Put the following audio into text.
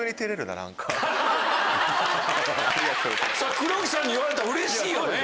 黒木さんに言われたらうれしいよね。